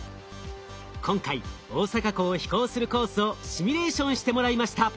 今回大阪港を飛行するコースをシミュレーションしてもらいました。